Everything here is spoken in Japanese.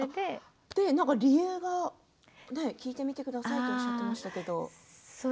理由を聞いてみてくださいとおっしゃってましたけれど。